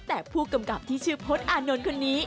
แต่ผู้กำกับที่ชื่อพจน์อานนท์คนนี้